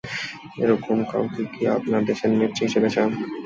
এরকম কাউকে কি আপনারা দেশের নেত্রী হিসেবে চান?